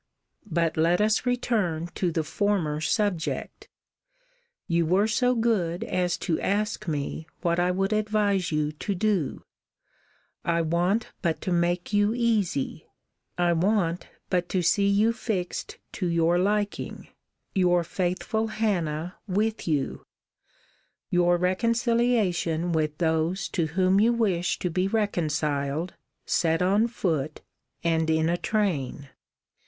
But let us return to the former subject You were so good as to ask me what I would advise you to do: I want but to make you easy; I want but to see you fixed to your liking: your faithful Hannah with you; your reconciliation with those to whom you wish to be reconciled, set on foot, and in a train.